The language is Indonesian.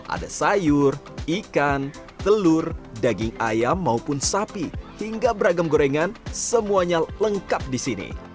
ada sayur ikan telur daging ayam maupun sapi hingga beragam gorengan semuanya lengkap di sini